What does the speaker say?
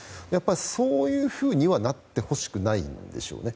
そういうふうにはなってほしくないんでしょうね。